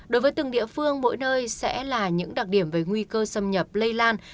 đối với từng địa phương mỗi nơi sẽ là những đặc điểm về nguy cơ xâm nhập lây lan